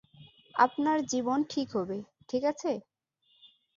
আপনার জীবন ঠিক হবে, ঠিক আছে?